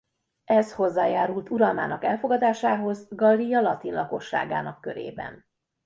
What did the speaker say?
Ez hozzájárult uralmának elfogadásához Gallia latin lakosságának körében.